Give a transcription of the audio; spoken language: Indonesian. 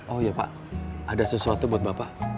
oh iya pak ada sesuatu buat bapak